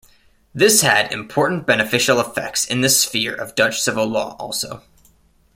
This had important beneficial effects in the sphere of Dutch civil law, also.